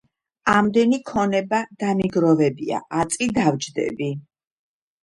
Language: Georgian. ამდენი ქონება დამიგროვებია, აწი დავჯდები,